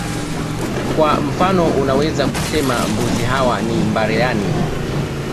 Kwa mfano unaweza kusema mbuzi hawa ni mbare ani